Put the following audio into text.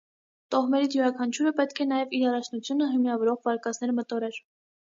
Տոհմերից յուրաքանչյուրը պետք է նաև իր առաջնությունը հիմնավորող վարկածներ մտորեր։